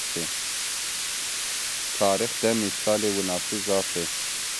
Tarîx de mîsalê winasî zaf ê